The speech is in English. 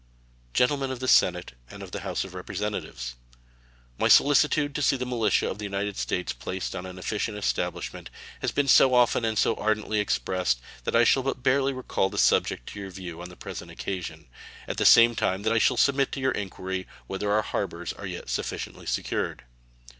Gentlemen of the Senate and of the House of Representatives: My solicitude to see the militia of the United States placed on an efficient establishment has been so often and so ardently expressed that I shall but barely recall the subject to your view on the present occasion, at the same time that I shall submit to your inquiry whether our harbors are yet sufficiently secured.